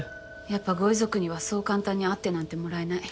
やっぱご遺族にはそう簡単に会ってなんてもらえない。